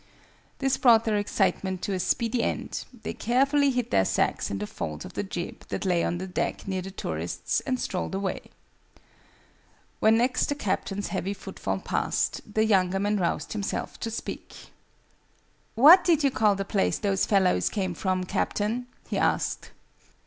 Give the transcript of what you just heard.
This brought their excitement to a speedy end: they carefully hid their sacks in the folds of the jib that lay on the deck near the tourists, and strolled away. When next the Captain's heavy footfall passed, the younger man roused himself to speak. "What did you call the place those fellows came from, Captain?" he asked.